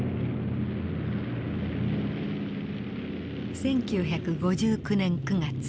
１９５９年９月。